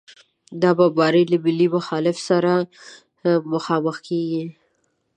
دا بمبارۍ له ملي مخالفت سره مخامخ کېږي.